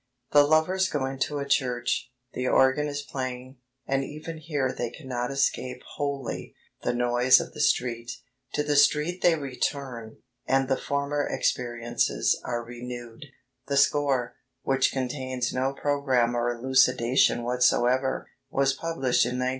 The lovers go into a church. The organ is playing, and even here they cannot escape wholly the noise of the street. To the street they return, and the former experiences are renewed." The score, which contains no programme or elucidation whatsoever, was published in 1901.